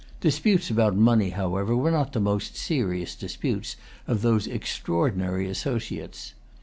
Disputes about money, however, were not the most serious disputes of these extraordinary associates.